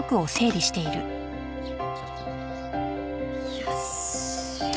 よし。